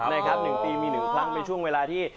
้าแนะน่าต้องไปชมความสวยงามธรรมชาติ